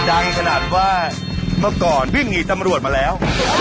ดังขนาดว่าเมื่อก่อนวิ่งหนีตำรวจมาแล้ว